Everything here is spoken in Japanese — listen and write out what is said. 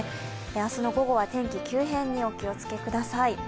明日の午後は天気の急変にお気をつけください。